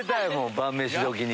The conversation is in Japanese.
晩飯時に。